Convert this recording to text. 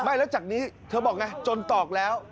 ไม่แล้วจากนี้เธอบอกไงจนตอกแล้ว